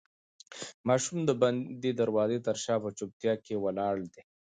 ماشوم د بندې دروازې تر شا په چوپتیا کې ولاړ دی.